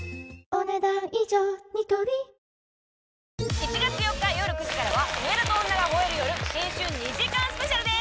１月４日夜９時からは、上田と女が吠える夜、新春２時間スペシャルです。